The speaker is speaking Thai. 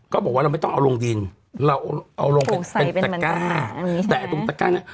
ก็บอกว่าเราไม่ต้องเอาลงดินเราเอาลงเป็นปลูกใส่เป็นเหมือนกันนะแต่ตรงตะกะน่ะ